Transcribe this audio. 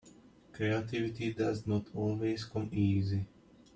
Creativity does not always come easy.